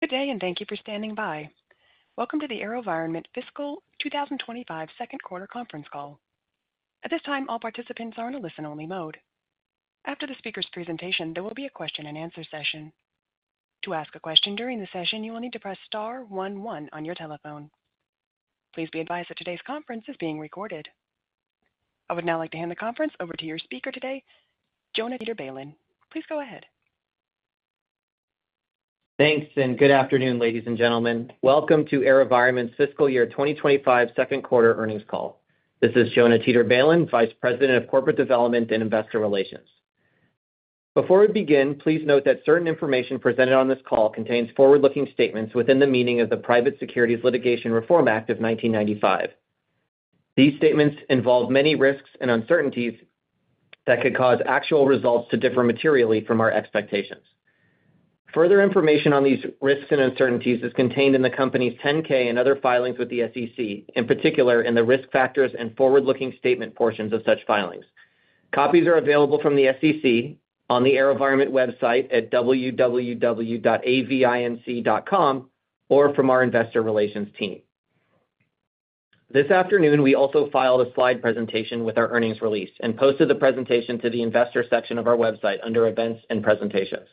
Good day, and thank you for standing by. Welcome to the AeroVironment Fiscal 2025 second quarter conference call. At this time, all participants are in a listen-only mode. After the speaker's presentation, there will be a question-and-answer session. To ask a question during the session, you will need to press star one one on your telephone. Please be advised that today's conference is being recorded. I would now like to hand the conference over to your speaker today, Jonah Teeter-Balin. Please go ahead. Thanks, and good afternoon, ladies and gentlemen. Welcome to AeroVironment's Fiscal Year 2025 second quarter earnings call. This is Jonah Teeter-Balin, Vice President of Corporate Development and Investor Relations. Before we begin, please note that certain information presented on this call contains forward-looking statements within the meaning of the Private Securities Litigation Reform Act of 1995. These statements involve many risks and uncertainties that could cause actual results to differ materially from our expectations. Further information on these risks and uncertainties is contained in the company's 10-K and other filings with the SEC, in particular in the risk factors and forward-looking statement portions of such filings. Copies are available from the SEC on the AeroVironment website at www.avinc.com or from our Investor Relations team. This afternoon, we also filed a slide presentation with our earnings release and posted the presentation to the Investor section of our website under Events and Presentations.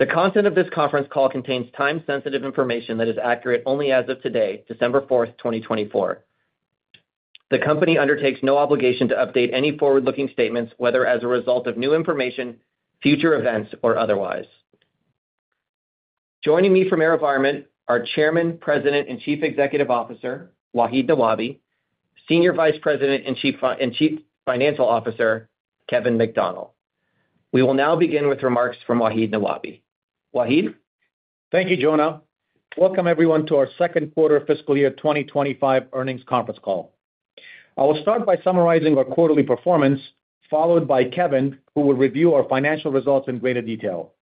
The content of this conference call contains time-sensitive information that is accurate only as of today, December 4th, 2024. The company undertakes no obligation to update any forward-looking statements, whether as a result of new information, future events, or otherwise. Joining me from AeroVironment are Chairman, President, and Chief Executive Officer Wahid Nawabi, Senior Vice President and Chief Financial Officer Kevin McDonnell. We will now begin with remarks from Wahid Nawabi. Wahid? Thank you, Jonah. Welcome, everyone, to our second quarter of fiscal year 2025 earnings conference call. I will start by summarizing our quarterly performance, followed by Kevin, who will review our financial results in greater detail.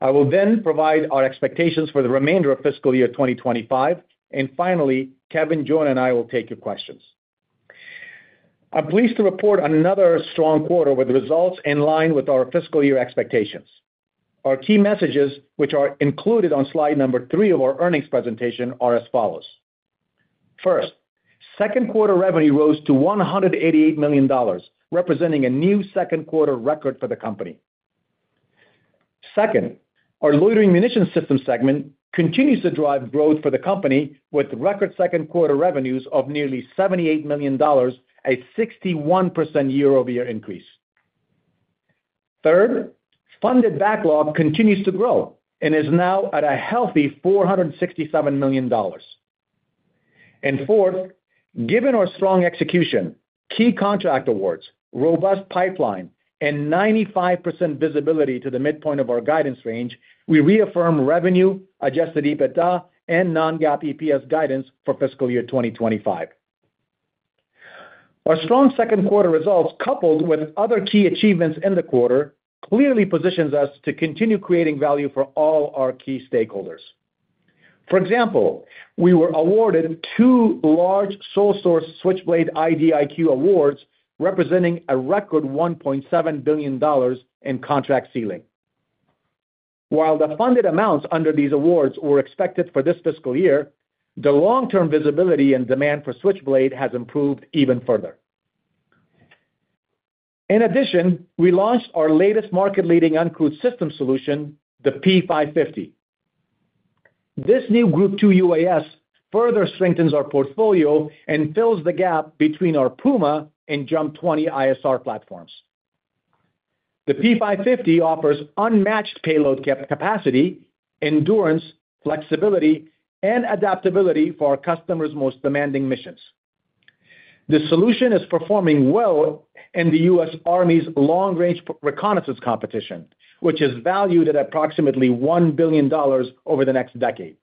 I will then provide our expectations for the remainder of fiscal year 2025. And finally, Kevin, Jonah, and I will take your questions. I'm pleased to report another strong quarter with results in line with our fiscal year expectations. Our key messages, which are included on slide number three of our earnings presentation, are as follows. First, second quarter revenue rose to $188 million, representing a new second quarter record for the company. Second, our loitering munitions system segment continues to drive growth for the company, with record second quarter revenues of nearly $78 million, a 61% year-over-year increase. Third, funded backlog continues to grow and is now at a healthy $467 million. Fourth, given our strong execution, key contract awards, robust pipeline, and 95% visibility to the midpoint of our guidance range, we reaffirm revenue, Adjusted EBITDA, and Non-GAAP EPS guidance for fiscal year 2025. Our strong second quarter results, coupled with other key achievements in the quarter, clearly position us to continue creating value for all our key stakeholders. For example, we were awarded two large sole-source Switchblade IDIQ awards, representing a record $1.7 billion in contract ceiling. While the funded amounts under these awards were expected for this fiscal year, the long-term visibility and demand for Switchblade has improved even further. In addition, we launched our latest market-leading uncrewed system solution, the P550. This new Group 2 UAS further strengthens our portfolio and fills the gap between our Puma and JUMP 20 ISR platforms. The P550 offers unmatched payload capacity, endurance, flexibility, and adaptability for our customers' most demanding missions. The solution is performing well in the U.S. Army's Long-Range Reconnaissance competition, which is valued at approximately $1 billion over the next decade.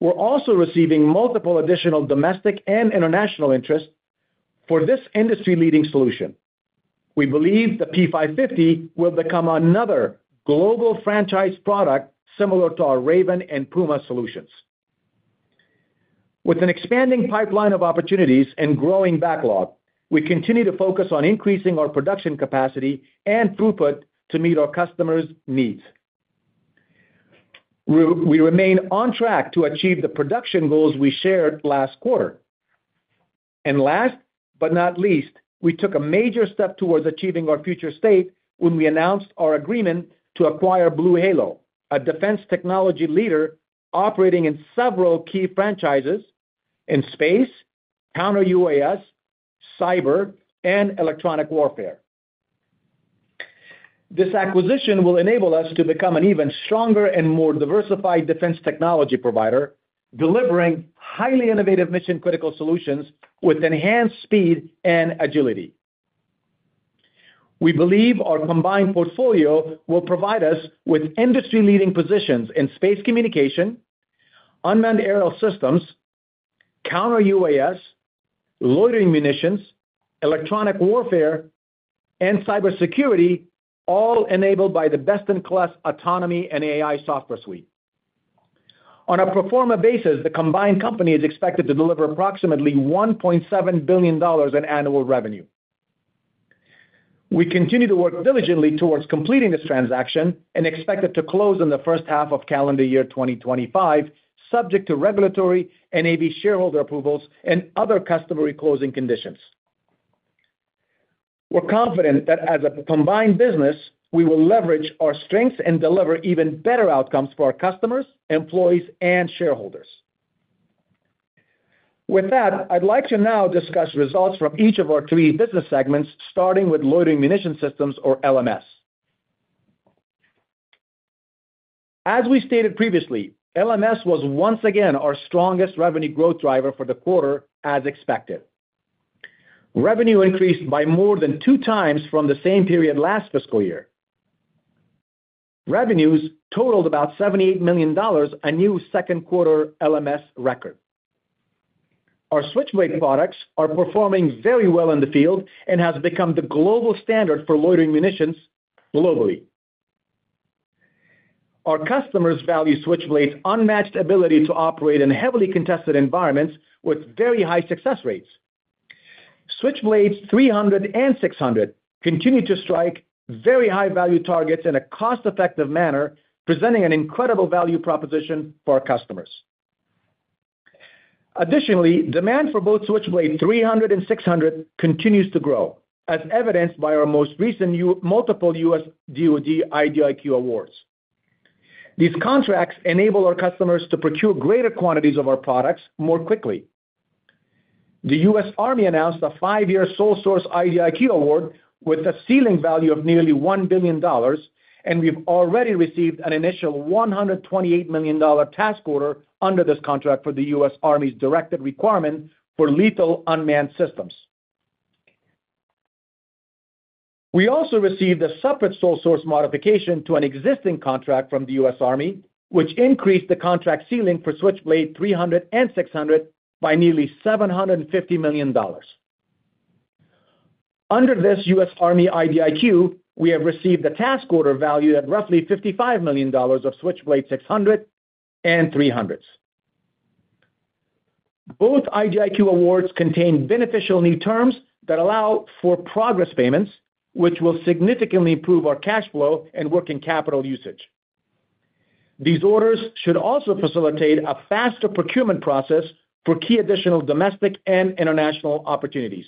We're also receiving multiple additional domestic and international interests for this industry-leading solution. We believe the P550 will become another global franchise product similar to our Raven and Puma solutions. With an expanding pipeline of opportunities and growing backlog, we continue to focus on increasing our production capacity and throughput to meet our customers' needs. We remain on track to achieve the production goals we shared last quarter, and last but not least, we took a major step towards achieving our future state when we announced our agreement to acquire BlueHalo, a defense technology leader operating in several key franchises in space, counter UAS, cyber, and electronic warfare. This acquisition will enable us to become an even stronger and more diversified defense technology provider, delivering highly innovative mission-critical solutions with enhanced speed and agility. We believe our combined portfolio will provide us with industry-leading positions in space communication, unmanned aerial systems, counter-UAS, loitering munitions, electronic warfare, and cybersecurity, all enabled by the best-in-class autonomy and AI software suite. On a pro forma basis, the combined company is expected to deliver approximately $1.7 billion in annual revenue. We continue to work diligently towards completing this transaction and expect it to close in the first half of calendar year 2025, subject to regulatory and AV shareholder approvals and other customary closing conditions. We're confident that as a combined business, we will leverage our strengths and deliver even better outcomes for our customers, employees, and shareholders. With that, I'd like to now discuss results from each of our three business segments, starting with loitering munitions systems, or LMS. As we stated previously, LMS was once again our strongest revenue growth driver for the quarter, as expected. Revenue increased by more than two times from the same period last fiscal year. Revenues totaled about $78 million, a new second quarter LMS record. Our Switchblade products are performing very well in the field and have become the global standard for loitering munitions globally. Our customers value Switchblade's unmatched ability to operate in heavily contested environments with very high success rates. Switchblades 300 and 600 continue to strike very high-value targets in a cost-effective manner, presenting an incredible value proposition for our customers. Additionally, demand for both Switchblade 300 and 600 continues to grow, as evidenced by our most recent multiple U.S. DoD IDIQ awards. These contracts enable our customers to procure greater quantities of our products more quickly. The U.S. Army announced a five-year sole-source IDIQ award with a ceiling value of nearly $1 billion, and we've already received an initial $128 million task order under this contract for the U.S. Army's directed requirement for lethal unmanned systems. We also received a separate sole-source modification to an existing contract from the U.S. Army, which increased the contract ceiling for Switchblade 300 and 600 by nearly $750 million. Under this U.S. Army IDIQ, we have received a task order valued at roughly $55 million of Switchblade 600 and 300s. Both IDIQ awards contain beneficial new terms that allow for progress payments, which will significantly improve our cash flow and working capital usage. These orders should also facilitate a faster procurement process for key additional domestic and international opportunities.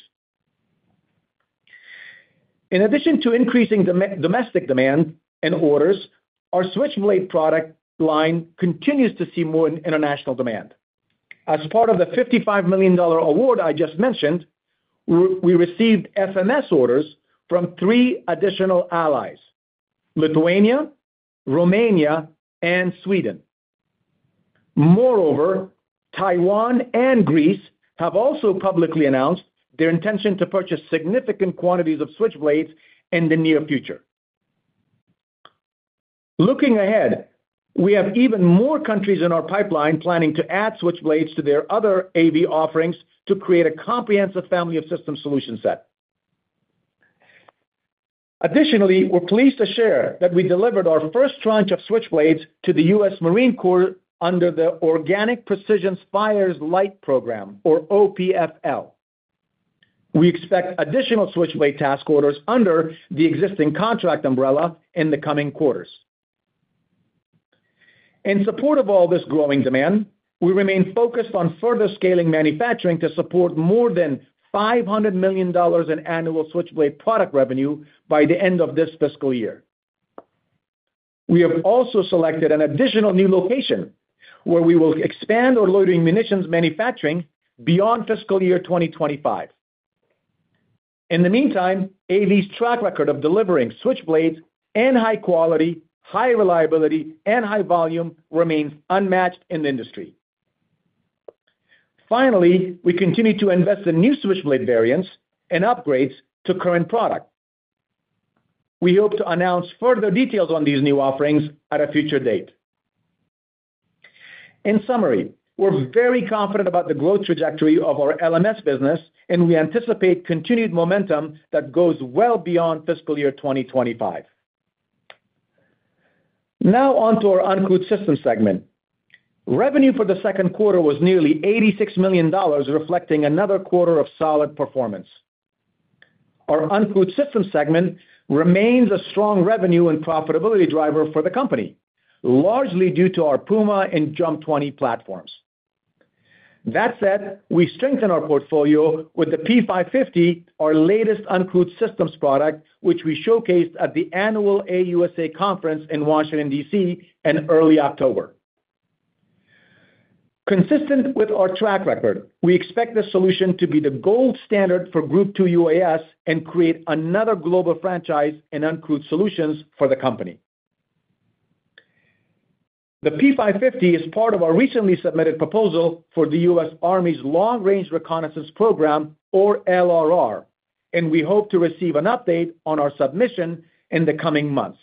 In addition to increasing domestic demand and orders, our Switchblade product line continues to see more international demand. As part of the $55 million award I just mentioned, we received FMS orders from three additional allies: Lithuania, Romania, and Sweden. Moreover, Taiwan and Greece have also publicly announced their intention to purchase significant quantities of Switchblades in the near future. Looking ahead, we have even more countries in our pipeline planning to add Switchblades to their other AV offerings to create a comprehensive family of system solution set. Additionally, we're pleased to share that we delivered our first tranche of Switchblades to the U.S. Marine Corps under the Organic Precision Fires-Light program, or OPF-L. We expect additional Switchblade task orders under the existing contract umbrella in the coming quarters. In support of all this growing demand, we remain focused on further scaling manufacturing to support more than $500 million in annual Switchblade product revenue by the end of this fiscal year. We have also selected an additional new location where we will expand our loitering munitions manufacturing beyond fiscal year 2025. In the meantime, AV's track record of delivering Switchblades and high quality, high reliability, and high volume remains unmatched in the industry. Finally, we continue to invest in new Switchblade variants and upgrades to current product. We hope to announce further details on these new offerings at a future date. In summary, we're very confident about the growth trajectory of our LMS business, and we anticipate continued momentum that goes well beyond fiscal year 2025. Now on to our uncrewed system segment. Revenue for the second quarter was nearly $86 million, reflecting another quarter of solid performance. Our uncrewed system segment remains a strong revenue and profitability driver for the company, largely due to our Puma and JUMP 20 platforms. That said, we strengthen our portfolio with the P550, our latest uncrewed systems product, which we showcased at the annual AUSA conference in Washington, D.C., in early October. Consistent with our track record, we expect this solution to be the gold standard for Group 2 UAS and create another global franchise in uncrewed solutions for the company. The P550 is part of our recently submitted proposal for the U.S. Army's Long-Range Reconnaissance program, or LRR, and we hope to receive an update on our submission in the coming months.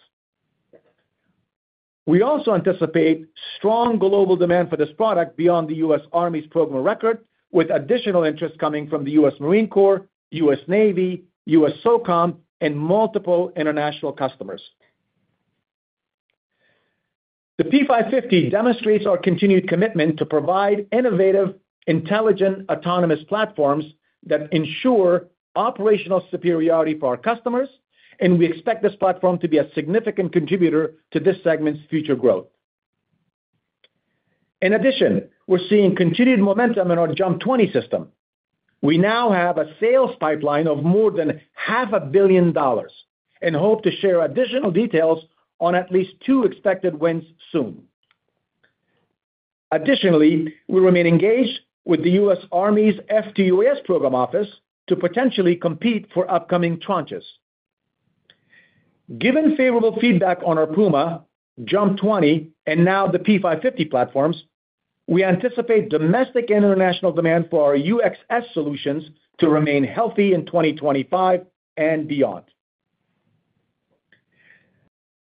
We also anticipate strong global demand for this product beyond the U.S. Army's program record, with additional interest coming from the U.S. Marine Corps, U.S. Navy, U.S. SOCOM, and multiple international customers. The P550 demonstrates our continued commitment to provide innovative, intelligent, autonomous platforms that ensure operational superiority for our customers, and we expect this platform to be a significant contributor to this segment's future growth. In addition, we're seeing continued momentum in our JUMP 20 system. We now have a sales pipeline of more than $500 million and hope to share additional details on at least two expected wins soon. Additionally, we remain engaged with the U.S. Army's FTUAS program office to potentially compete for upcoming tranches. Given favorable feedback on our Puma, JUMP 20, and now the P550 platforms, we anticipate domestic and international demand for our UxS solutions to remain healthy in 2025 and beyond.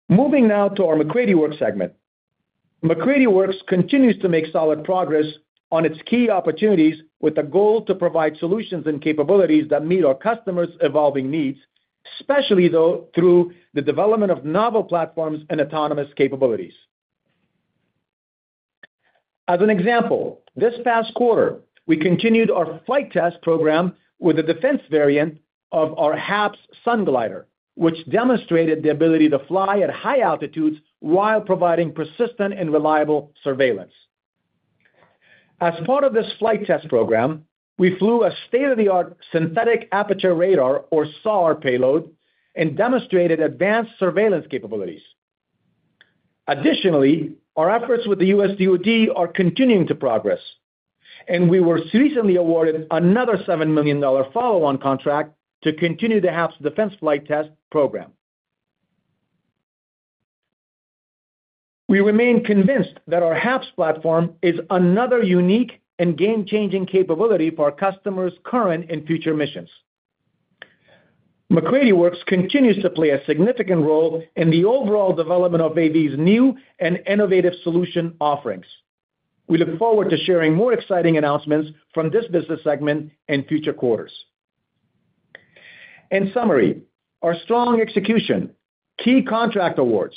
Moving now to our MacCready Works segment. MacCready Works continues to make solid progress on its key opportunities with a goal to provide solutions and capabilities that meet our customers' evolving needs, especially through the development of novel platforms and autonomous capabilities. As an example, this past quarter, we continued our flight test program with the defense variant of our HAPS Sunglider, which demonstrated the ability to fly at high altitudes while providing persistent and reliable surveillance. As part of this flight test program, we flew a state-of-the-art synthetic aperture radar, or SAR, payload and demonstrated advanced surveillance capabilities. Additionally, our efforts with the U.S. DoD are continuing to progress, and we were recently awarded another $7 million follow-on contract to continue the HAPS defense flight test program. We remain convinced that our HAPS platform is another unique and game-changing capability for our customers' current and future missions. MacCready Works continues to play a significant role in the overall development of AV's new and innovative solution offerings. We look forward to sharing more exciting announcements from this business segment in future quarters. In summary, our strong execution, key contract awards,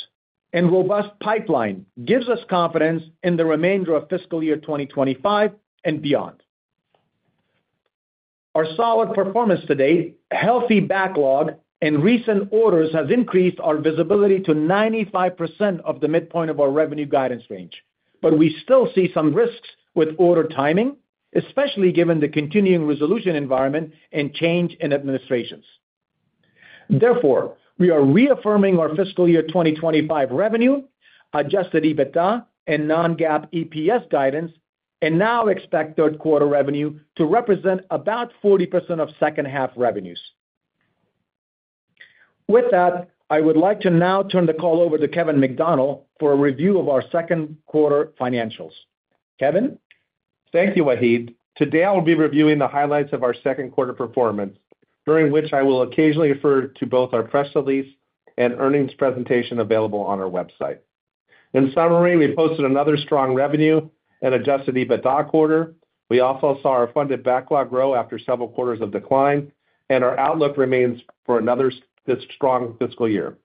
and robust pipeline give us confidence in the remainder of fiscal year 2025 and beyond. Our solid performance to date, healthy backlog, and recent orders have increased our visibility to 95% of the midpoint of our revenue guidance range, but we still see some risks with order timing, especially given the continuing resolution environment and change in administrations. Therefore, we are reaffirming our fiscal year 2025 revenue, adjusted EBITDA and non-GAAP EPS guidance, and now expect third quarter revenue to represent about 40% of second-half revenues. With that, I would like to now turn the call over to Kevin McDonnell for a review of our second quarter financials. Kevin. Thank you, Wahid. Today, I'll be reviewing the highlights of our second quarter performance, during which I will occasionally refer to both our press release and earnings presentation available on our website. In summary, we posted another strong revenue and Adjusted EBITDA quarter. We also saw our funded backlog grow after several quarters of decline, and our outlook remains for another strong fiscal year.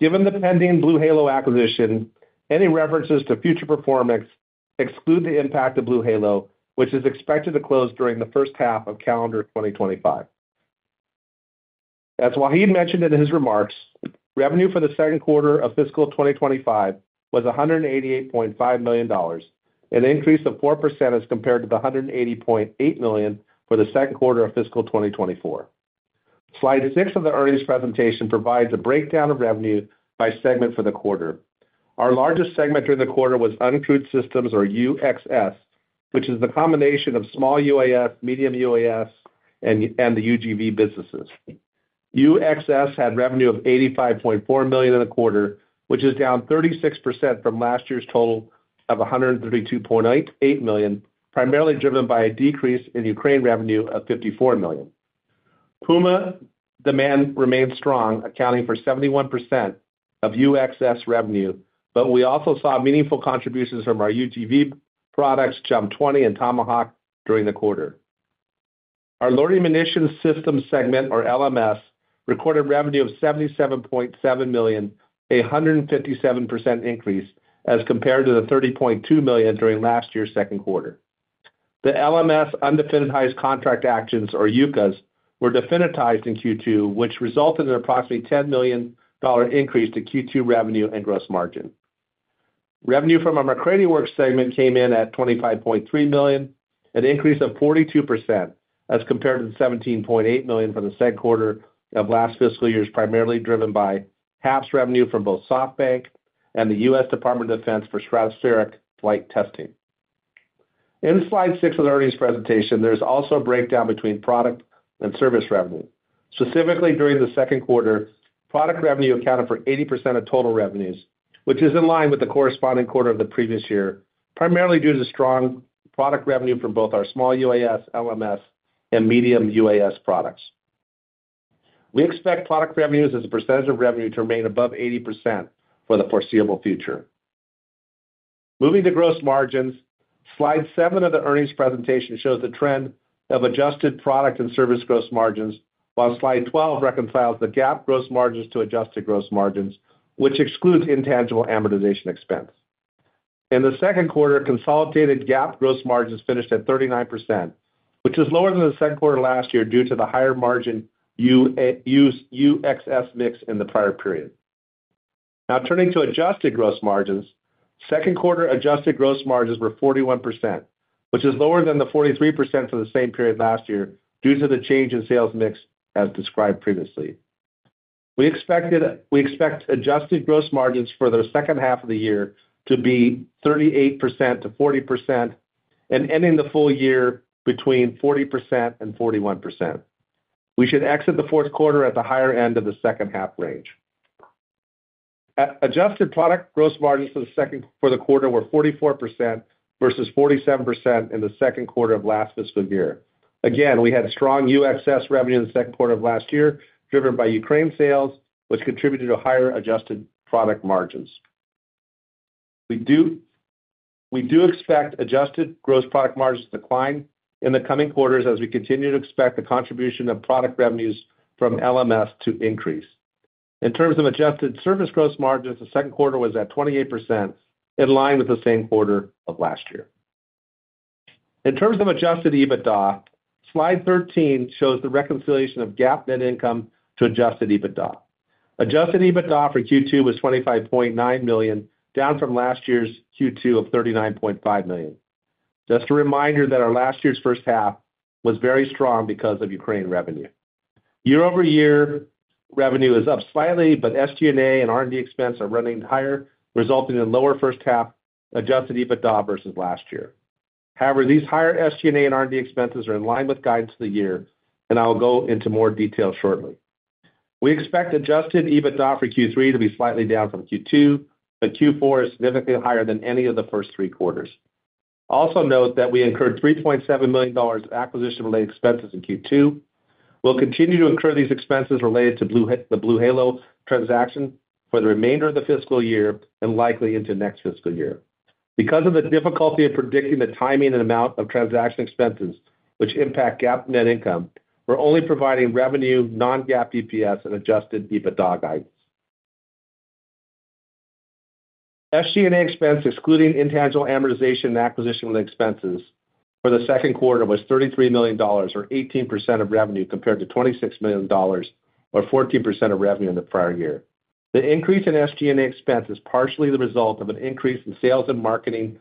Given the pending BlueHalo acquisition, any references to future performance exclude the impact of BlueHalo, which is expected to close during the first half of calendar 2025. As Wahid mentioned in his remarks, revenue for the second quarter of fiscal 2025 was $188.5 million, an increase of 4% as compared to the $180.8 million for the second quarter of fiscal 2024. Slide 6 of the earnings presentation provides a breakdown of revenue by segment for the quarter. Our largest segment during the quarter was uncrewed systems, or UxS, which is the combination of small UAS, medium UAS, and the UGV businesses. UxS had revenue of $85.4 million in the quarter, which is down 36% from last year's total of $132.8 million, primarily driven by a decrease in Ukraine revenue of $54 million. Puma demand remained strong, accounting for 71% of UxS revenue, but we also saw meaningful contributions from our UGV products, JUMP 20, and Tomahawk during the quarter. Our loitering munitions system segment, or LMS, recorded revenue of $77.7 million, a 157% increase as compared to the $30.2 million during last year's second quarter. The LMS undefinitized contract actions, or UCAs, were definitized in Q2, which resulted in an approximately $10 million increase to Q2 revenue and gross margin. Revenue from our MacCready Works segment came in at $25.3 million, an increase of 42% as compared to the $17.8 million from the second quarter of last fiscal year, primarily driven by HAPS revenue from both SoftBank and the U.S. Department of Defense for stratospheric flight testing. In slide 6 of the earnings presentation, there's also a breakdown between product and service revenue. Specifically, during the second quarter, product revenue accounted for 80% of total revenues, which is in line with the corresponding quarter of the previous year, primarily due to strong product revenue from both our small UAS, LMS, and medium UAS products. We expect product revenues as a percentage of revenue to remain above 80% for the foreseeable future. Moving to gross margins, slide 7 of the earnings presentation shows the trend of adjusted product and service gross margins, while slide 12 reconciles the GAAP gross margins to adjusted gross margins, which excludes intangible amortization expense. In the second quarter, consolidated GAAP gross margins finished at 39%, which is lower than the second quarter last year due to the higher margin UxS mix in the prior period. Now turning to adjusted gross margins, second quarter adjusted gross margins were 41%, which is lower than the 43% for the same period last year due to the change in sales mix as described previously. We expect adjusted gross margins for the second half of the year to be 38%-40%, and ending the full year between 40% and 41%. We should exit the fourth quarter at the higher end of the second half range. Adjusted product gross margins for the quarter were 44% versus 47% in the second quarter of last fiscal year. Again, we had strong UxS revenue in the second quarter of last year driven by Ukraine sales, which contributed to higher adjusted product margins. We do expect adjusted gross product margins to decline in the coming quarters as we continue to expect the contribution of product revenues from LMS to increase. In terms of adjusted service gross margins, the second quarter was at 28%, in line with the same quarter of last year. In terms of adjusted EBITDA, slide 13 shows the reconciliation of GAAP net income to adjusted EBITDA. Adjusted EBITDA for Q2 was $25.9 million, down from last year's Q2 of $39.5 million. Just a reminder that our last year's first half was very strong because of Ukraine revenue. Year-over-year revenue is up slightly, but SG&A and R&D expense are running higher, resulting in lower first half adjusted EBITDA versus last year. However, these higher SG&A and R&D expenses are in line with guidance for the year, and I'll go into more detail shortly. We expect adjusted EBITDA for Q3 to be slightly down from Q2, but Q4 is significantly higher than any of the first three quarters. Also note that we incurred $3.7 million of acquisition-related expenses in Q2. We'll continue to incur these expenses related to the BlueHalo transaction for the remainder of the fiscal year and likely into next fiscal year. Because of the difficulty of predicting the timing and amount of transaction expenses which impact GAAP net income, we're only providing revenue, non-GAAP EPS, and adjusted EBITDA guidance. SG&A expense, excluding intangible amortization and acquisition-related expenses for the second quarter, was $33 million, or 18% of revenue, compared to $26 million, or 14% of revenue in the prior year. The increase in SG&A expense is partially the result of an increase in sales and marketing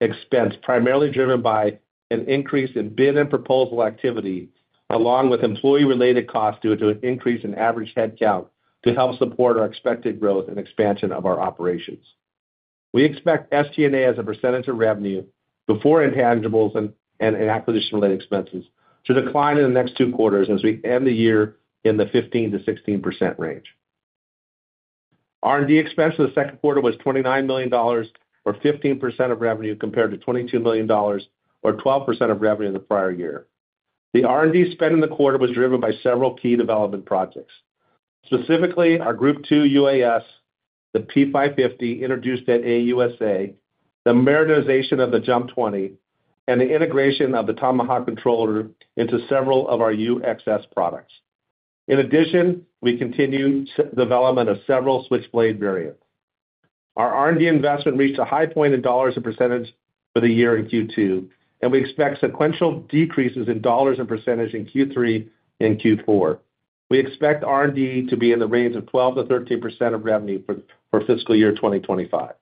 expense, primarily driven by an increase in bid and proposal activity, along with employee-related costs due to an increase in average headcount to help support our expected growth and expansion of our operations. We expect SG&A as a percentage of revenue before intangibles and acquisition-related expenses to decline in the next two quarters as we end the year in the 15%-16% range. R&D expense for the second quarter was $29 million, or 15% of revenue, compared to $22 million, or 12% of revenue in the prior year. The R&D spend in the quarter was driven by several key development projects. Specifically, our Group 2 UAS, the P550 introduced at AUSA, the militarization of the JUMP 20, and the integration of the Tomahawk controller into several of our UxS products. In addition, we continue development of several Switchblade variants. Our R&D investment reached a high point in dollars and percentage for the year in Q2, and we expect sequential decreases in dollars and percentage in Q3 and Q4. We expect R&D to be in the range of 12%-13% of revenue for fiscal year 2025.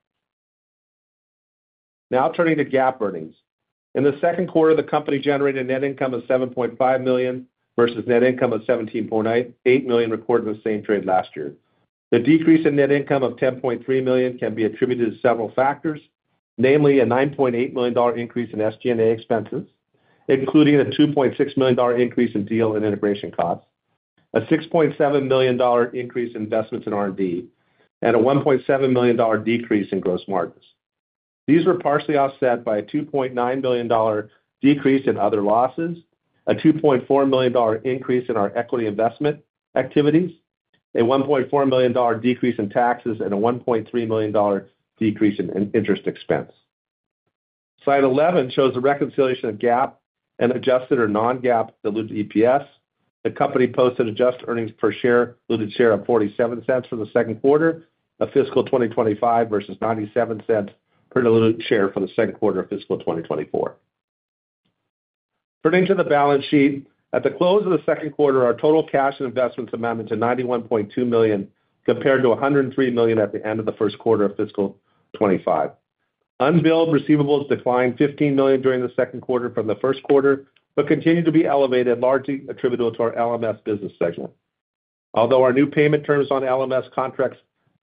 Now turning to GAAP earnings. In the second quarter, the company generated net income of $7.5 million versus net income of $17.8 million recorded in the same quarter last year. The decrease in net income of $10.3 million can be attributed to several factors, namely a $9.8 million increase in SG&A expenses, including a $2.6 million increase in deal and integration costs, a $6.7 million increase in investments in R&D, and a $1.7 million decrease in gross margins. These were partially offset by a $2.9 million decrease in other losses, a $2.4 million increase in our equity investment activities, a $1.4 million decrease in taxes, and a $1.3 million decrease in interest expense. Slide 11 shows the reconciliation of GAAP and adjusted or non-GAAP diluted EPS. The company posted adjusted earnings per share diluted share of $0.47 for the second quarter of fiscal 2025 versus $0.97 per diluted share for the second quarter of fiscal 2024. Turning to the balance sheet, at the close of the second quarter, our total cash and investments amounted to $91.2 million compared to $103 million at the end of the first quarter of fiscal 2025. Unbilled receivables declined $15 million during the second quarter from the first quarter, but continue to be elevated, largely attributable to our LMS business segment. Although our new payment terms on LMS contracts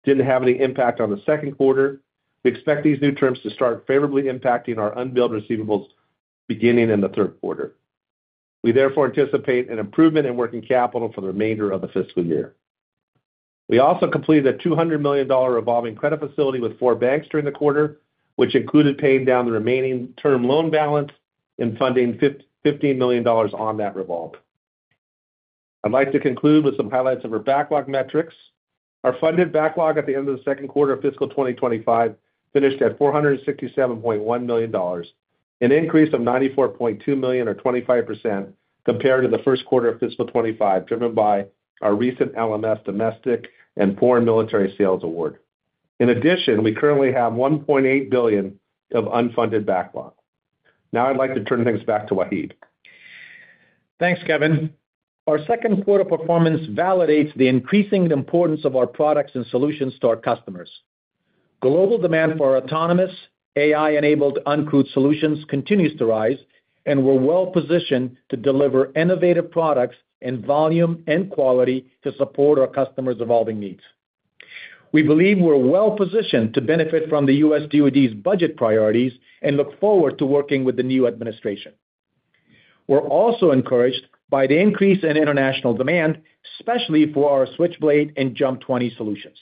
didn't have any impact on the second quarter, we expect these new terms to start favorably impacting our unbilled receivables beginning in the third quarter. We therefore anticipate an improvement in working capital for the remainder of the fiscal year. We also completed a $200 million revolving credit facility with four banks during the quarter, which included paying down the remaining term loan balance and funding $15 million on that revolve. I'd like to conclude with some highlights of our backlog metrics. Our funded backlog at the end of the second quarter of fiscal 2025 finished at $467.1 million, an increase of $94.2 million, or 25%, compared to the first quarter of fiscal 2025, driven by our recent LMS domestic and foreign military sales award. In addition, we currently have $1.8 billion of unfunded backlog. Now I'd like to turn things back to Wahid. Thanks, Kevin. Our second quarter performance validates the increasing importance of our products and solutions to our customers. Global demand for autonomous AI-enabled uncrewed solutions continues to rise, and we're well positioned to deliver innovative products in volume and quality to support our customers' evolving needs. We believe we're well positioned to benefit from the U.S. DoD's budget priorities and look forward to working with the new administration. We're also encouraged by the increase in international demand, especially for our Switchblade and JUMP 20 solutions.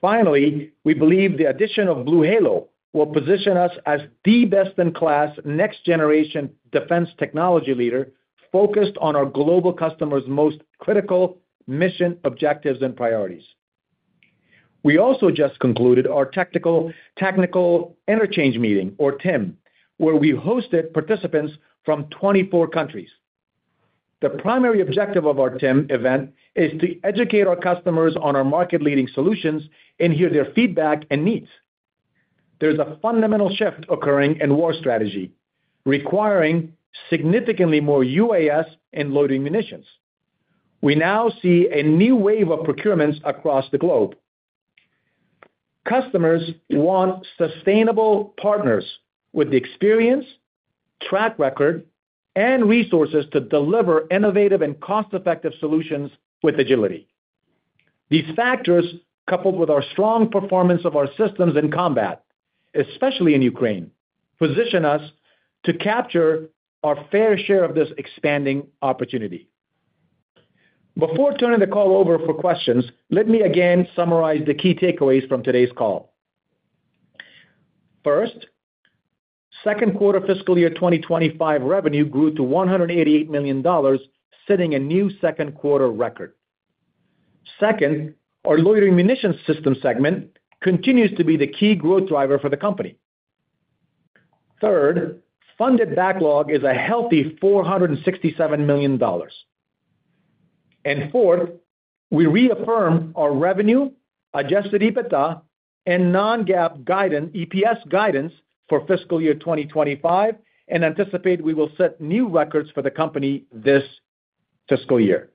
Finally, we believe the addition of BlueHalo will position us as the best-in-class next-generation defense technology leader focused on our global customers' most critical mission objectives and priorities. We also just concluded our Technical Interchange Meeting, or TIM, where we hosted participants from 24 countries. The primary objective of our TIM event is to educate our customers on our market-leading solutions and hear their feedback and needs. There's a fundamental shift occurring in war strategy, requiring significantly more UAS and loitering munitions. We now see a new wave of procurements across the globe. Customers want sustainable partners with the experience, track record, and resources to deliver innovative and cost-effective solutions with agility. These factors, coupled with our strong performance of our systems in combat, especially in Ukraine, position us to capture our fair share of this expanding opportunity. Before turning the call over for questions, let me again summarize the key takeaways from today's call. First, second quarter fiscal year 2025 revenue grew to $188 million, setting a new second quarter record. Second, our loitering munitions system segment continues to be the key growth driver for the company. Third, funded backlog is a healthy $467 million. And fourth, we reaffirm our revenue, adjusted EBITDA, and non-GAAP guidance EPS guidance for fiscal year 2025 and anticipate we will set new records for the company this fiscal year.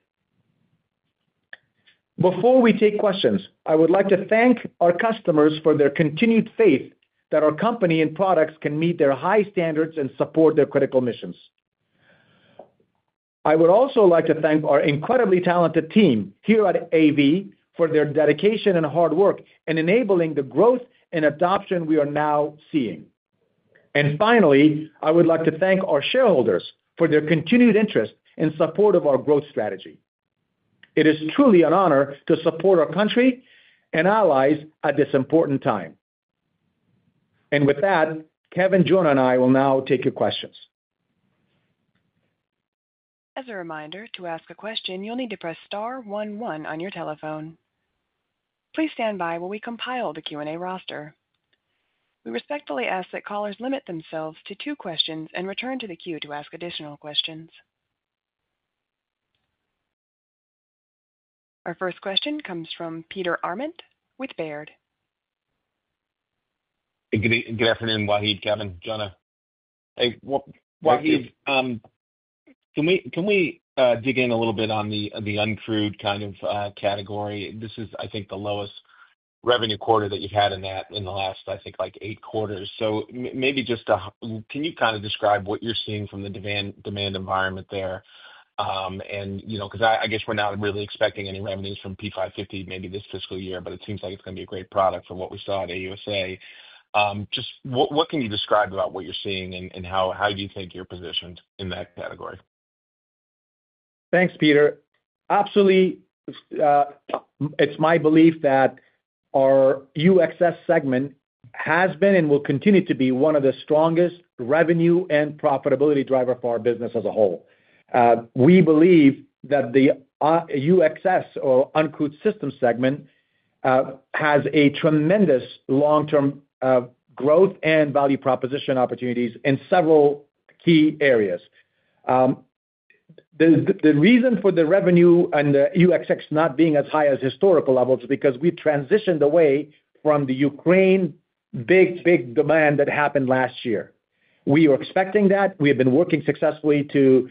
Before we take questions, I would like to thank our customers for their continued faith that our company and products can meet their high standards and support their critical missions. I would also like to thank our incredibly talented team here at AV for their dedication and hard work in enabling the growth and adoption we are now seeing. And finally, I would like to thank our shareholders for their continued interest in support of our growth strategy. It is truly an honor to support our country and allies at this important time. And with that, Kevin, Jonah, and I will now take your questions. As a reminder, to ask a question, you'll need to press star 11 on your telephone. Please stand by while we compile the Q&A roster. We respectfully ask that callers limit themselves to two questions and return to the queue to ask additional questions. Our first question comes from Peter Arment with Baird. Good afternoon, Wahid, Kevin, Jonah. Wahid, can we dig in a little bit on the uncrewed kind of category? This is, I think, the lowest revenue quarter that you've had in the last, I think, like eight quarters. So, maybe just can you kind of describe what you're seeing from the demand environment there? And because I guess we're not really expecting any revenues from P550 maybe this fiscal year, but it seems like it's going to be a great product for what we saw at AUSA. Just what can you describe about what you're seeing and how do you think you're positioned in that category? Thanks, Peter. Absolutely. It's my belief that our UxS segment has been and will continue to be one of the strongest revenue and profitability drivers for our business as a whole. We believe that the UxS or uncrewed systems segment has a tremendous long-term growth and value proposition opportunities in several key areas. The reason for the revenue and the UxS not being as high as historical levels is because we've transitioned away from the Ukraine big demand that happened last year. We were expecting that. We have been working successfully to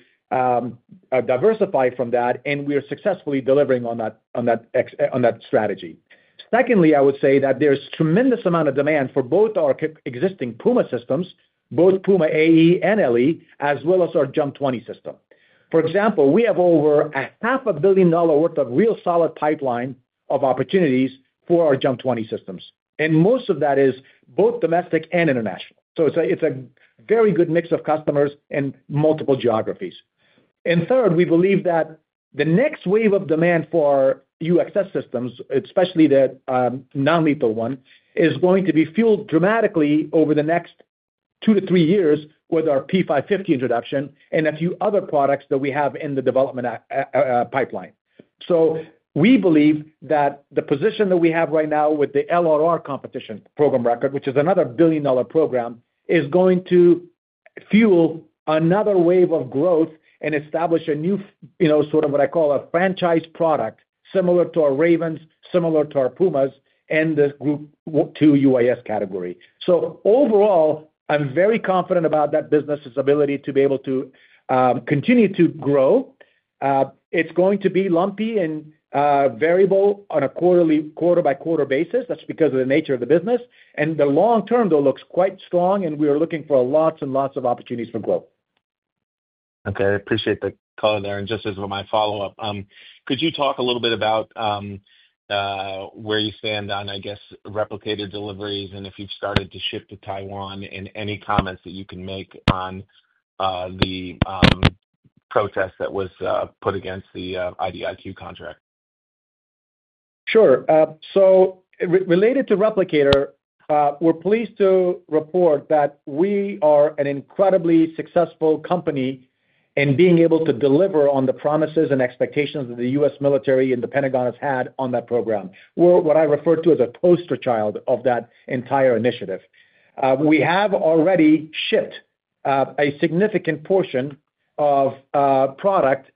diversify from that, and we are successfully delivering on that strategy. Secondly, I would say that there's a tremendous amount of demand for both our existing Puma systems, both Puma AE and Puma LE, as well as our JUMP 20 system. For example, we have over $500 million worth of real solid pipeline of opportunities for our JUMP 20 systems, and most of that is both domestic and international, so it's a very good mix of customers in multiple geographies, and third, we believe that the next wave of demand for UxS systems, especially the non-lethal one, is going to be fueled dramatically over the next two to three years with our P550 introduction and a few other products that we have in the development pipeline. So we believe that the position that we have right now with the LRR competition program record, which is another billion-dollar program, is going to fuel another wave of growth and establish a new sort of what I call a franchise product similar to our Ravens, similar to our Pumas, and the Group 2 UAS category. So overall, I'm very confident about that business's ability to be able to continue to grow. It's going to be lumpy and variable on a quarter-by-quarter basis. That's because of the nature of the business. And the long term, though, looks quite strong, and we are looking for lots and lots of opportunities for growth. Okay. I appreciate the call there. And just as my follow-up, could you talk a little bit about where you stand on, I guess, Replicator deliveries and if you've started to ship to Taiwan and any comments that you can make on the protest that was put against the IDIQ contract? Sure. So related to Replicator, we're pleased to report that we are an incredibly successful company in being able to deliver on the promises and expectations that the U.S. military and the Pentagon has had on that program. We're what I refer to as a poster child of that entire initiative. We have already shipped a significant portion of product,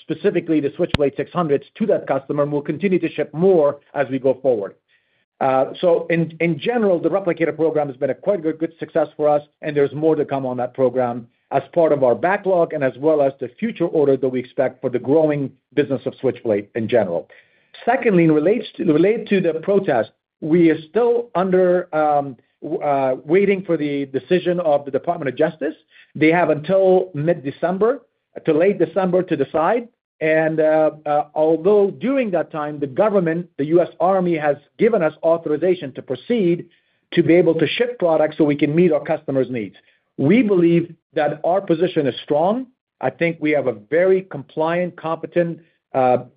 specifically the Switchblade 600s, to that customer and will continue to ship more as we go forward. So in general, the Replicator program has been a quite good success for us, and there's more to come on that program as part of our backlog and as well as the future order that we expect for the growing business of Switchblade in general. Secondly, related to the protest, we are still waiting for the decision of the Department of Justice. They have until mid-December to late December to decide, and although during that time, the government, the U.S. Army, has given us authorization to proceed to be able to ship products so we can meet our customers' needs, we believe that our position is strong. I think we have a very compliant, competent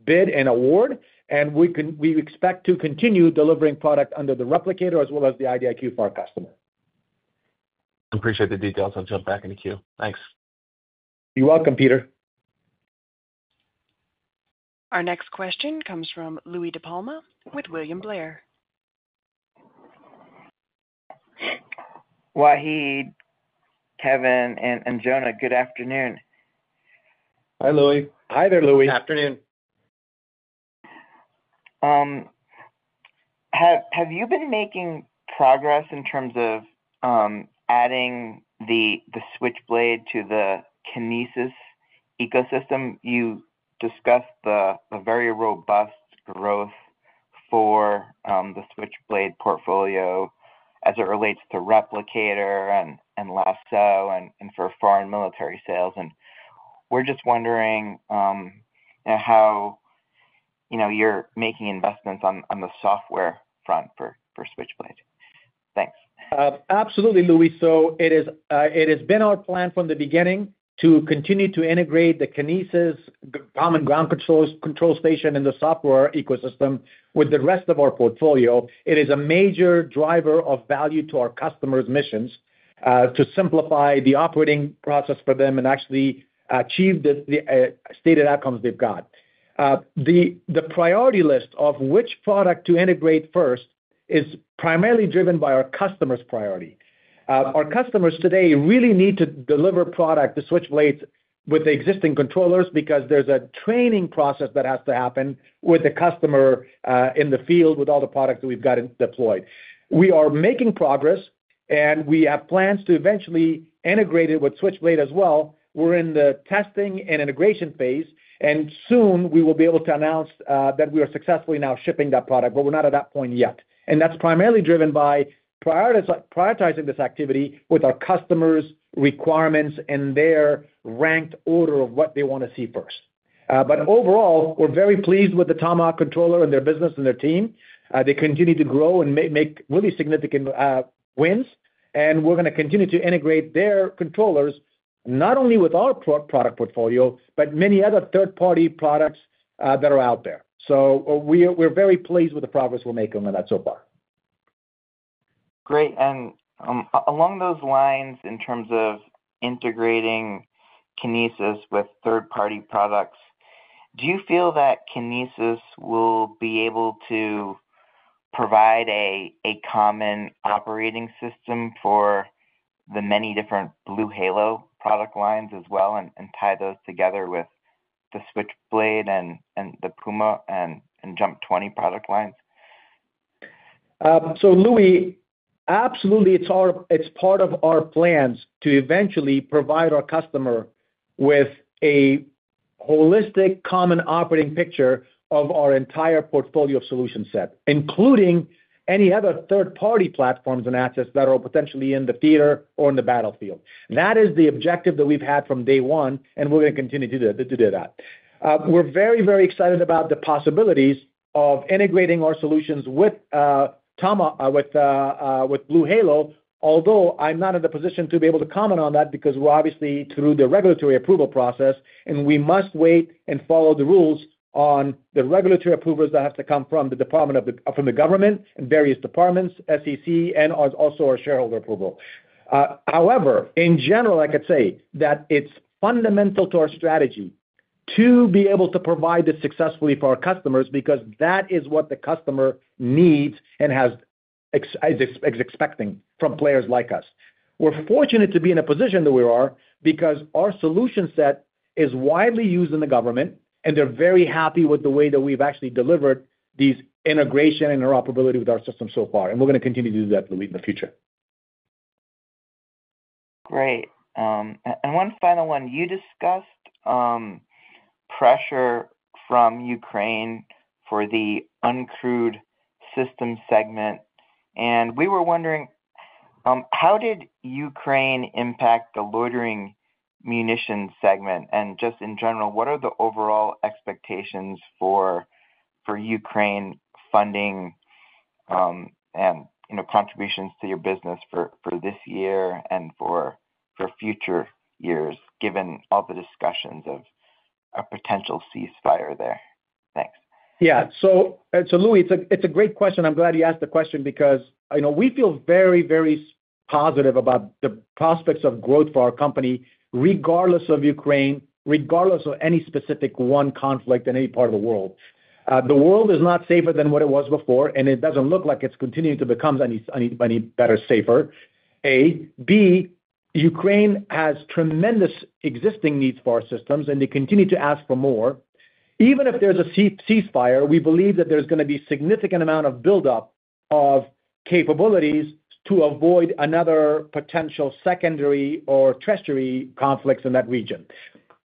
bid and award, and we expect to continue delivering product under the Replicator as well as the IDIQ for our customers. I appreciate the details. I'll jump back in the queue. Thanks. You're welcome, Peter. Our next question comes from Louie DiPalma with William Blair. Wahid, Kevin, and Jonah, good afternoon. Hi, Louie. Hi there, Louie. Good afternoon. Have you been making progress in terms of adding the Switchblade to the Kinesis ecosystem? You discussed the very robust growth for the Switchblade portfolio as it relates to Replicator and less so and for foreign military sales. And we're just wondering how you're making investments on the software front for Switchblade. Thanks. Absolutely, Louie. So it has been our plan from the beginning to continue to integrate the Kinesis common ground control station and the software ecosystem with the rest of our portfolio. It is a major driver of value to our customers' missions to simplify the operating process for them and actually achieve the stated outcomes they've got. The priority list of which product to integrate first is primarily driven by our customers' priority. Our customers today really need to deliver product to Switchblades with the existing controllers because there's a training process that has to happen with the customer in the field with all the products that we've got deployed. We are making progress, and we have plans to eventually integrate it with Switchblade as well. We're in the testing and integration phase, and soon we will be able to announce that we are successfully now shipping that product, but we're not at that point yet, and that's primarily driven by prioritizing this activity with our customers' requirements and their ranked order of what they want to see first, but overall, we're very pleased with the Tomahawk controller and their business and their team. They continue to grow and make really significant wins. We're going to continue to integrate their controllers not only with our product portfolio, but many other third-party products that are out there. So we're very pleased with the progress we're making on that so far. Great. And along those lines, in terms of integrating Kinesis with third-party products, do you feel that Kinesis will be able to provide a common operating system for the many different BlueHalo product lines as well and tie those together with the Switchblade and the Puma and JUMP 20 product lines? So Louie, absolutely, it's part of our plans to eventually provide our customer with a holistic common operating picture of our entire portfolio of solution set, including any other third-party platforms and assets that are potentially in the theater or in the battlefield. That is the objective that we've had from day one, and we're going to continue to do that. We're very, very excited about the possibilities of integrating our solutions with BlueHalo, although I'm not in the position to be able to comment on that because we're obviously through the regulatory approval process, and we must wait and follow the rules on the regulatory approvals that have to come from the government and various departments, SEC, and also our shareholder approval. However, in general, I could say that it's fundamental to our strategy to be able to provide this successfully for our customers because that is what the customer needs and is expecting from players like us. We're fortunate to be in a position that we are because our solution set is widely used in the government, and they're very happy with the way that we've actually delivered these integration and interoperability with our system so far. And we're going to continue to do that, Louie, in the future. Great. And one final one. You discussed pressure from Ukraine for the uncrewed systems segment. And we were wondering, how did Ukraine impact the loitering munitions segment? And just in general, what are the overall expectations for Ukraine funding and contributions to your business for this year and for future years, given all the discussions of a potential ceasefire there? Thanks. Yeah. So Louie, it's a great question. I'm glad you asked the question because we feel very, very positive about the prospects of growth for our company, regardless of Ukraine, regardless of any specific one conflict in any part of the world. The world is not safer than what it was before, and it doesn't look like it's continuing to become any better safer. A. B. Ukraine has tremendous existing needs for our systems, and they continue to ask for more. Even if there's a ceasefire, we believe that there's going to be a significant amount of buildup of capabilities to avoid another potential secondary or tertiary conflicts in that region.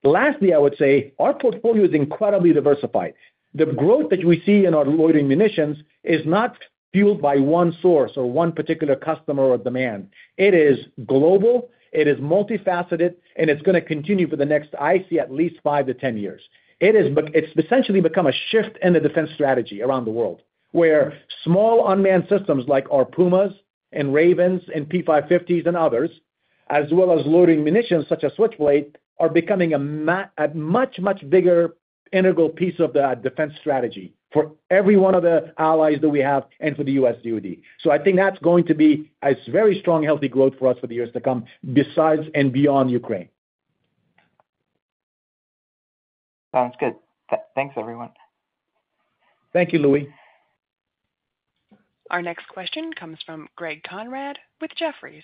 Lastly, I would say our portfolio is incredibly diversified. The growth that we see in our loitering munitions is not fueled by one source or one particular customer or demand. It is global. It is multifaceted, and it's going to continue for the next, I see, at least five to 10 years. It's essentially become a shift in the defense strategy around the world, where small unmanned systems like our Pumas and Ravens and P550s and others, as well as loitering munitions such as Switchblade, are becoming a much, much bigger integral piece of the defense strategy for every one of the allies that we have and for the U.S. DoD. So I think that's going to be a very strong, healthy growth for us for the years to come besides and beyond Ukraine. Sounds good. Thanks, everyone. Thank you, Louie. Our next question comes from Greg Conrad with Jefferies.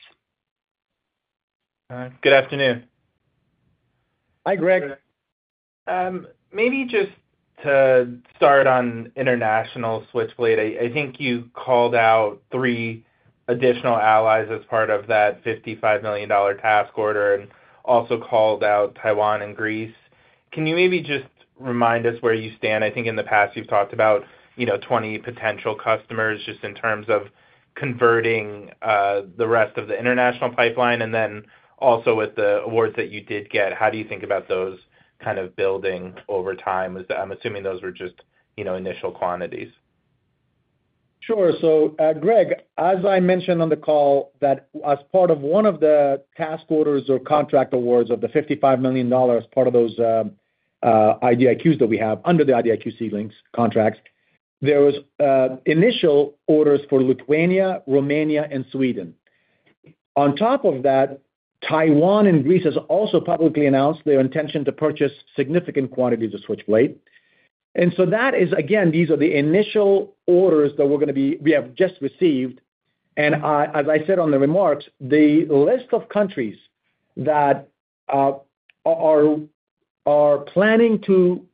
Good afternoon. Hi, Greg. Maybe just to start on international Switchblade, I think you called out three additional allies as part of that $55 million task order and also called out Taiwan and Greece. Can you maybe just remind us where you stand? I think in the past, you've talked about 20 potential customers just in terms of converting the rest of the international pipeline. And then also with the awards that you did get, how do you think about those kind of building over time? I'm assuming those were just initial quantities. Sure. So Greg, as I mentioned on the call, that as part of one of the task orders or contract awards of the $55 million as part of those IDIQs that we have under the IDIQ ceiling contracts, there were initial orders for Lithuania, Romania, and Sweden. On top of that, Taiwan and Greece have also publicly announced their intention to purchase significant quantities of Switchblade. And so that is, again, these are the initial orders that we have just received. As I said on the remarks, the list of countries that are planning to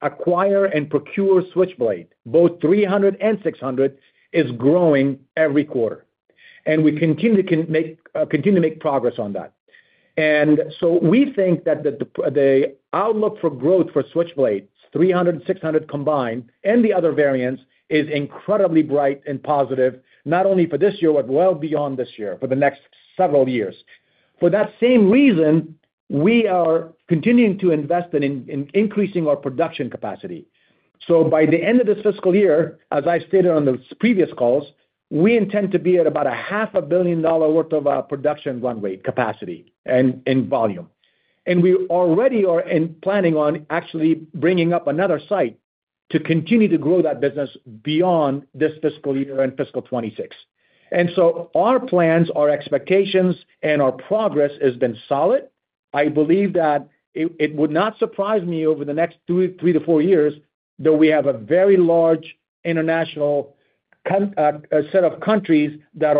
acquire and procure Switchblade, both 300 and 600, is growing every quarter. We continue to make progress on that. So we think that the outlook for growth for Switchblade, 300 and 600 combined, and the other variants, is incredibly bright and positive, not only for this year but well beyond this year, for the next several years. For that same reason, we are continuing to invest in increasing our production capacity. By the end of this fiscal year, as I've stated on the previous calls, we intend to be at about $500 million worth of production runway capacity and volume. We already are planning on actually bringing up another site to continue to grow that business beyond this fiscal year and fiscal 2026. Our plans, our expectations, and our progress have been solid. I believe that it would not surprise me over the next three to four years that we have a very large international set of countries that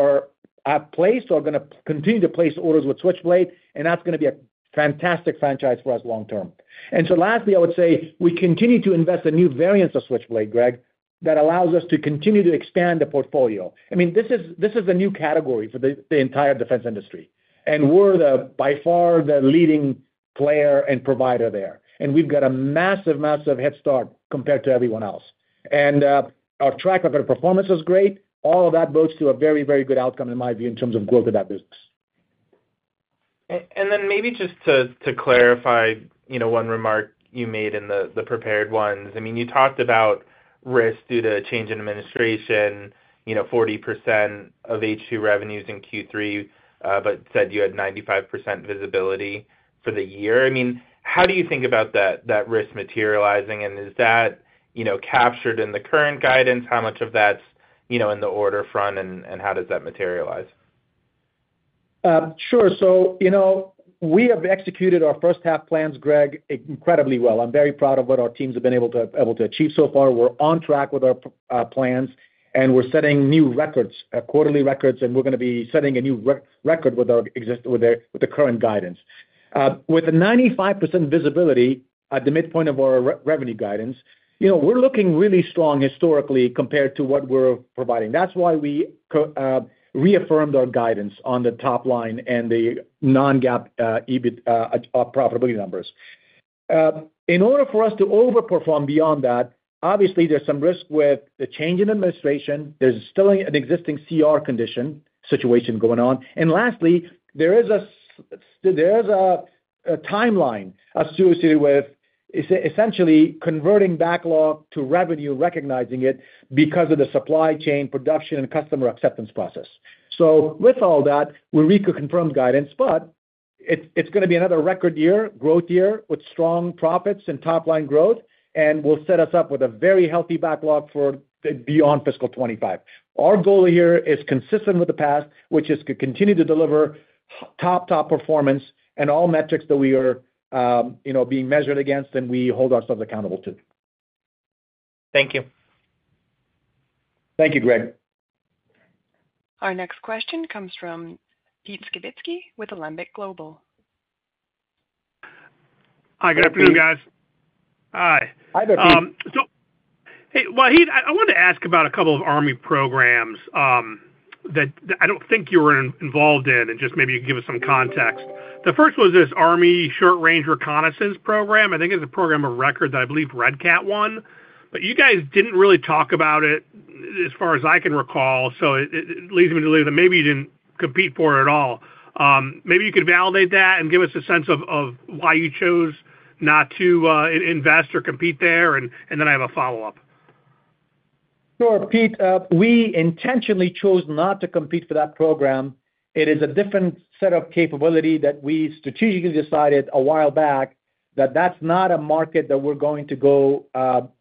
have placed or going to continue to place orders with Switchblade, and that's going to be a fantastic franchise for us long term. Lastly, I would say we continue to invest in new variants of Switchblade, Greg, that allows us to continue to expand the portfolio. I mean, this is a new category for the entire defense industry. We're by far the leading player and provider there. We've got a massive, massive head start compared to everyone else. Our track record of performance is great. All of that bodes to a very, very good outcome, in my view, in terms of growth of that business. And then maybe just to clarify one remark you made in the prepared ones. I mean, you talked about risk due to a change in administration, 40% of H2 revenues in Q3, but said you had 95% visibility for the year. I mean, how do you think about that risk materializing? And is that captured in the current guidance? How much of that's in the order front, and how does that materialize? Sure. So we have executed our first half plans, Greg, incredibly well. I'm very proud of what our teams have been able to achieve so far. We're on track with our plans, and we're setting new records, quarterly records, and we're going to be setting a new record with the current guidance. With the 95% visibility at the midpoint of our revenue guidance, we're looking really strong historically compared to what we're providing. That's why we reaffirmed our guidance on the top line and the non-GAAP profitability numbers. In order for us to overperform beyond that, obviously, there's some risk with the change in administration. There's still an existing CR condition situation going on. And lastly, there is a timeline associated with essentially converting backlog to revenue, recognizing it because of the supply chain production and customer acceptance process. So with all that, we reconfirmed guidance, but it's going to be another record year, growth year with strong profits and top-line growth, and will set us up with a very healthy backlog for beyond fiscal 25. Our goal here is consistent with the past, which is to continue to deliver top, top performance and all metrics that we are being measured against and we hold ourselves accountable to. Thank you. Thank you, Greg. Our next question comes from Pete Skibitski with Alembic Global. Hi, good afternoon, guys. Hi. Hi, there, Pete. So hey, well, I wanted to ask about a couple of Army programs that I don't think you were involved in and just maybe you can give us some context. The first was this Army Short Range Reconnaissance program. I think it's a program of record that I believe Red Cat won, but you guys didn't really talk about it as far as I can recall. So it leads me to believe that maybe you didn't compete for it at all. Maybe you could validate that and give us a sense of why you chose not to invest or compete there, and then I have a follow-up. Sure, Pete. We intentionally chose not to compete for that program. It is a different set of capability that we strategically decided a while back that that's not a market that we're going to go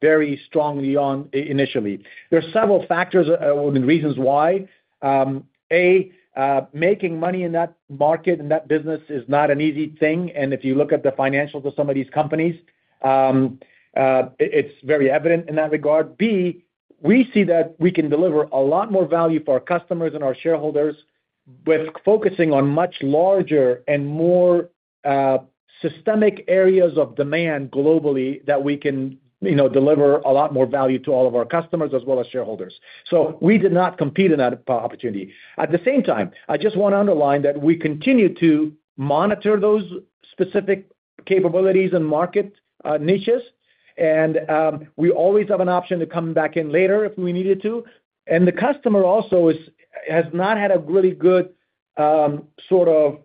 very strongly on initially. There are several factors and reasons why. A. Making money in that market and that business is not an easy thing. And if you look at the financials of some of these companies, it's very evident in that regard. B. We see that we can deliver a lot more value for our customers and our shareholders with focusing on much larger and more systemic areas of demand globally that we can deliver a lot more value to all of our customers as well as shareholders. So we did not compete in that opportunity. At the same time, I just want to underline that we continue to monitor those specific capabilities and market niches, and we always have an option to come back in later if we needed to. And the customer also has not had a really good sort of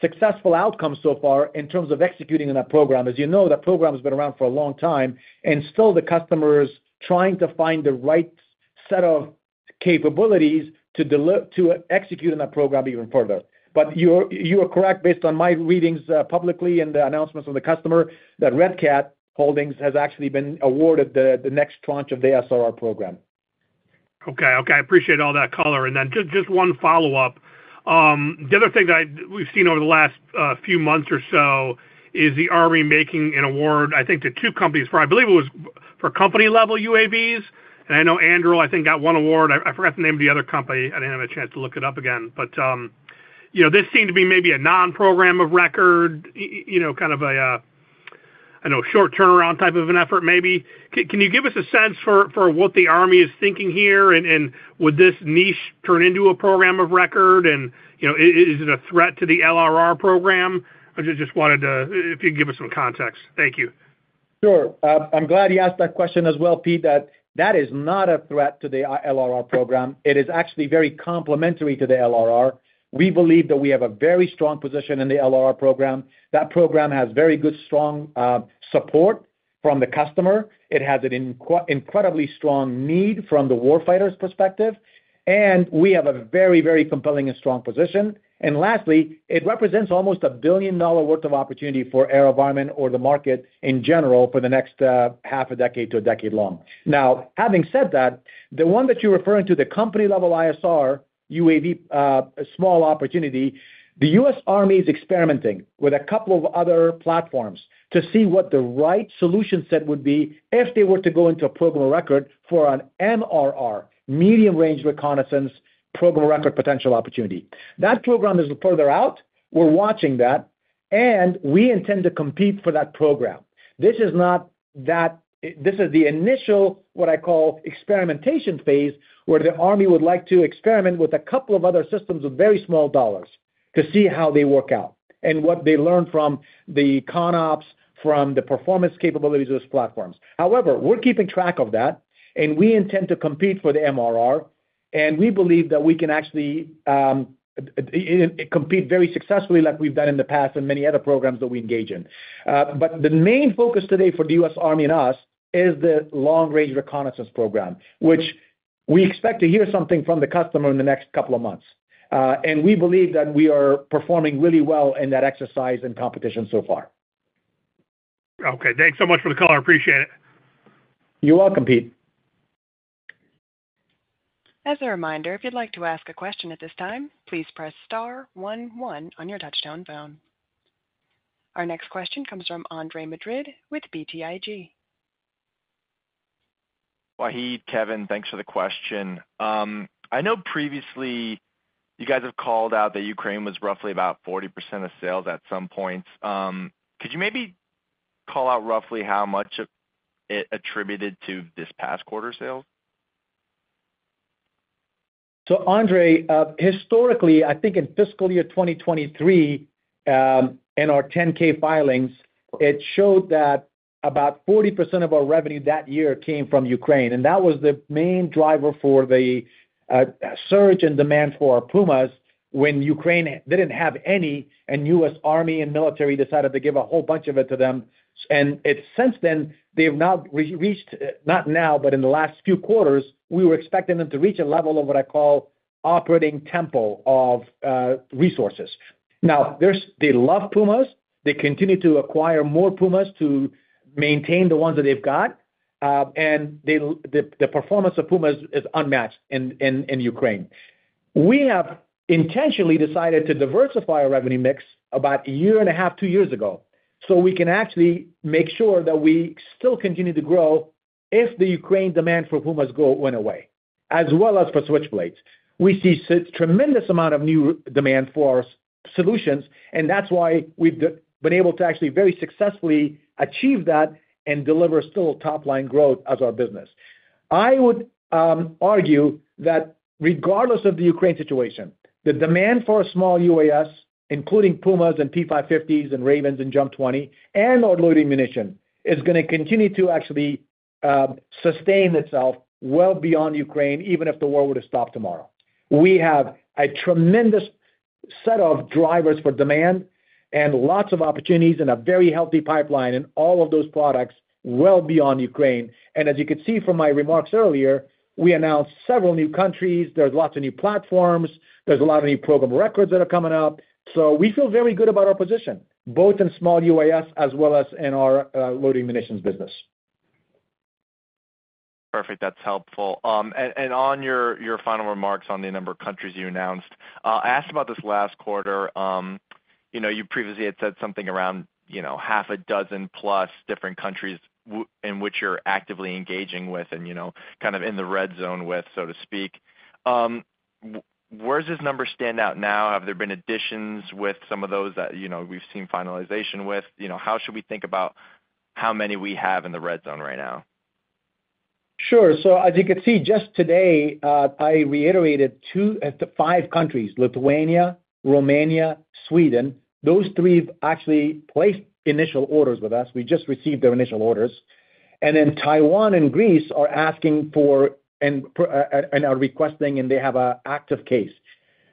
successful outcome so far in terms of executing that program. As you know, that program has been around for a long time, and still the customer is trying to find the right set of capabilities to execute in that program even further. But you are correct, based on my readings publicly and the announcements from the customer, that Red Cat Holdings has actually been awarded the next tranche of the SRR program. Okay. Okay. I appreciate all that color. And then just one follow-up. The other thing that we've seen over the last few months or so is the Army making an award, I think, to two companies for, I believe it was for company-level UAVs. And I know Anduril, I think, got one award. I forgot the name of the other company. I didn't have a chance to look it up again. But this seemed to be maybe a non-program of record, kind of a, I don't know, short turnaround type of an effort, maybe. Can you give us a sense for what the Army is thinking here? And would this niche turn into a program of record? And is it a threat to the LRR program? I just wanted to, if you can give us some context. Thank you. Sure. I'm glad you asked that question as well, Pete, that is not a threat to the LRR program. It is actually very complementary to the LRR. We believe that we have a very strong position in the LRR program. That program has very good, strong support from the customer. It has an incredibly strong need from the warfighter's perspective, and we have a very, very compelling and strong position, and lastly, it represents almost a $1 billion worth of opportunity for AeroVironment or the market in general for the next half a decade to a decade long. Now, having said that, the one that you're referring to, the company-level ISR, UAV, small opportunity, the U.S. Army is experimenting with a couple of other platforms to see what the right solution set would be if they were to go into a program of record for an MRR, medium-range reconnaissance program of record potential opportunity. That program is further out. We're watching that, and we intend to compete for that program. This is not that. This is the initial, what I call, experimentation phase where the Army would like to experiment with a couple of other systems with very small dollars to see how they work out and what they learn from the CONOPS, from the performance capabilities of those platforms. However, we're keeping track of that, and we intend to compete for the MRR. And we believe that we can actually compete very successfully like we've done in the past in many other programs that we engage in. But the main focus today for the U.S. Army and us is the Long Range Reconnaissance program, which we expect to hear something from the customer in the next couple of months. And we believe that we are performing really well in that exercise and competition so far. Okay. Thanks so much for the call. I appreciate it. You're welcome, Pete. As a reminder, if you'd like to ask a question at this time, please press star 1 1 on your touch-tone phone. Our next question comes from Andre Madrid with BTIG. Wahid, Kevin, thanks for the question. I know previously you guys have called out that Ukraine was roughly about 40% of sales at some points. Could you maybe call out roughly how much it attributed to this past quarter sales? So Andre, historically, I think in fiscal year 2023 and our 10-K filings, it showed that about 40% of our revenue that year came from Ukraine. And that was the main driver for the surge in demand for our Pumas when Ukraine didn't have any, and U.S. Army and military decided to give a whole bunch of it to them. Since then, they've now reached, not now, but in the last few quarters, we were expecting them to reach a level of what I call operating tempo of resources. Now, they love Pumas. They continue to acquire more Pumas to maintain the ones that they've got. And the performance of Puma is unmatched in Ukraine. We have intentionally decided to diversify our revenue mix about a year and a half, two years ago, so we can actually make sure that we still continue to grow if the Ukraine demand for Pumas went away, as well as for Switchblades. We see a tremendous amount of new demand for our solutions, and that's why we've been able to actually very successfully achieve that and deliver still top-line growth as our business. I would argue that regardless of the Ukraine situation, the demand for a small UAS, including Pumas and P550s and Ravens and JUMP 20 and artillery munition, is going to continue to actually sustain itself well beyond Ukraine, even if the war were to stop tomorrow. We have a tremendous set of drivers for demand and lots of opportunities and a very healthy pipeline in all of those products well beyond Ukraine. And as you could see from my remarks earlier, we announced several new countries. There's lots of new platforms. There's a lot of new programs of record that are coming up. So we feel very good about our position, both in small UAS as well as in our loitering munitions business. Perfect. That's helpful. And on your final remarks on the number of countries you announced, I asked about this last quarter. You previously had said something around half a dozen-plus different countries in which you're actively engaging with and kind of in the red zone with, so to speak. Where does this number stand now? Have there been additions with some of those that we've seen finalization with? How should we think about how many we have in the red zone right now? Sure. So as you could see, just today, I reiterated five countries: Lithuania, Romania, Sweden. Those three have actually placed initial orders with us. We just received their initial orders. And then Taiwan and Greece are asking for and are requesting, and they have an active case.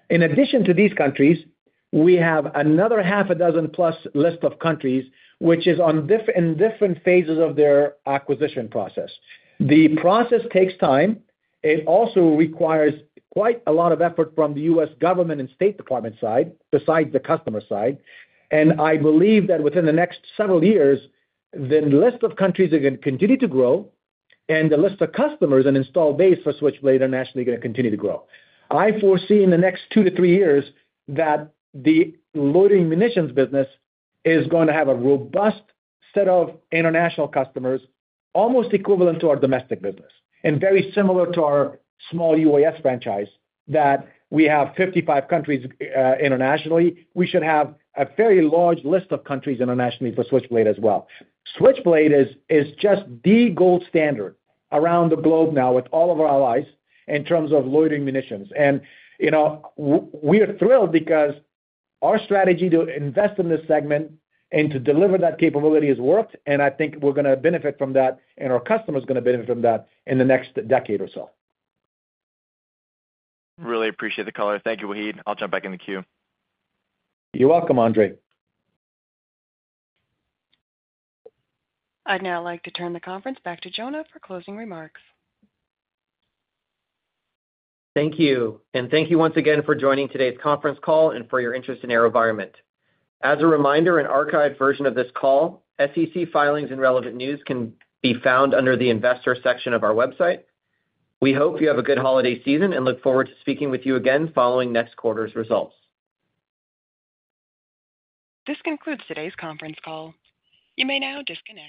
In addition to these countries, we have another half a dozen-plus list of countries, which is in different phases of their acquisition process. The process takes time. It also requires quite a lot of effort from the U.S. government and State Department side, besides the customer side, and I believe that within the next several years, the list of countries are going to continue to grow, and the list of customers and installed base for Switchblade are naturally going to continue to grow. I foresee in the next two to three years that the loitering munitions business is going to have a robust set of international customers, almost equivalent to our domestic business and very similar to our small UAS franchise that we have 55 countries internationally. We should have a fairly large list of countries internationally for Switchblade as well. Switchblade is just the gold standard around the globe now with all of our allies in terms of loitering munitions. And we are thrilled because our strategy to invest in this segment and to deliver that capability has worked, and I think we're going to benefit from that, and our customer is going to benefit from that in the next decade or so. Really appreciate the color. Thank you, Wahid. I'll jump back in the queue. You're welcome, Andre. I'd now like to turn the conference back to Jonah for closing remarks. Thank you. And thank you once again for joining today's conference call and for your interest in AeroVironment. As a reminder, an archived version of this call, SEC filings, and relevant news can be found under the investor section of our website. We hope you have a good holiday season and look forward to speaking with you again following next quarter's results. This concludes today's conference call. You may now disconnect.